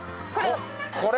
これ。